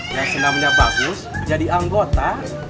yang senamnya bagus jadi anggota